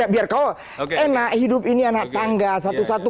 biar kau enak hidup ini anak tangga satu satu